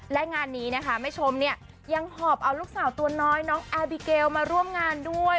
และงานนี้นะคะแม่ชมเนี่ยยังหอบเอาลูกสาวตัวน้อยน้องแอร์บิเกลมาร่วมงานด้วย